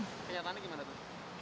kenyataannya gimana tuh